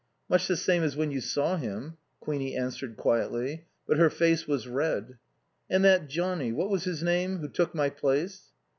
"Much the same as when you saw him." Queenie answered quietly, but her face was red. "And that Johnnie what was his name? who took my place?"